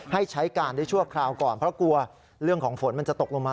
ให้ใช้การได้ชั่วคราวก่อนเพราะกลัวเรื่องของฝนมันจะตกลงมา